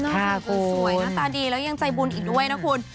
สวยหน้าตาดีแล้วยังใจบุญอีกด้วยนะคุณ